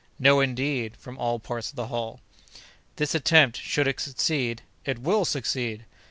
("No, indeed!" from all parts of the hall.) "This attempt, should it succeed" ("It will succeed!")